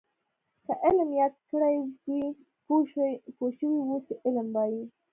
که علم یاد کړی وی پوه شوي وو چې علم وايي.